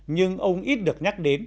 nhưng ông ít được nhắc đến